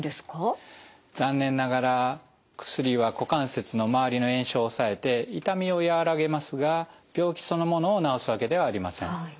残念ながら薬は股関節の周りの炎症を抑えて痛みを和らげますが病気そのものを治すわけではありません。